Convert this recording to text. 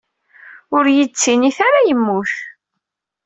Ur iyi-d-ttinit ara yemmut.